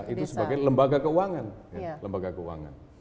itu sebagai lembaga keuangan